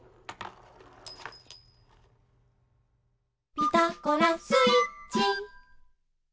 「ピタゴラスイッチ」